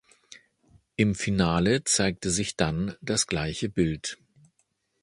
Im Finale zeigte sich dann das gleiche Bild.